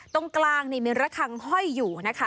ตรงกลางนี่มีระคังห้อยอยู่นะคะ